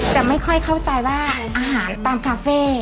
จะไม่ค่อยเข้าใจว่าอาหารตามคาเฟ่